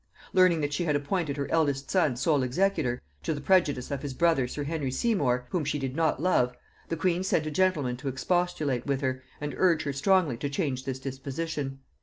Learning that she had appointed her eldest son sole executor, to the prejudice of his brother sir Henry Seymour, whom she did not love, the queen sent a gentleman to expostulate with her, and urge her strongly to change this disposition.